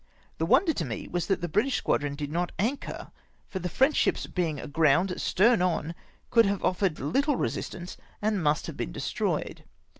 The wonder to me was that the British squadron did not anchor, for the French ships being aground, stern on, could have offered little resistance, and must have been destroyed.